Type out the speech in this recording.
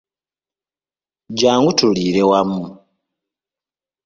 Jangu tuliire wamu.